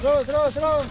terus terus terus